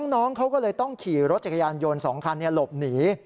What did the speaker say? น้องเขาก็เลยต้องขี่รถจักรยานยนต์๒คันหลบหนี